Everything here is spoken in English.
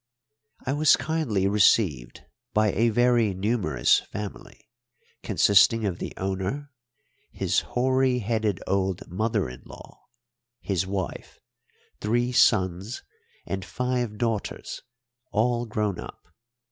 I was kindly received by a very numerous family, consisting of the owner, his hoary headed old mother in law, his wife, three sons, and five daughters, all grown up.